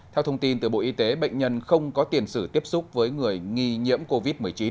theo thông tin từ bộ y tế bệnh nhân không có tiền sử tiếp xúc với người nghi nhiễm covid một mươi chín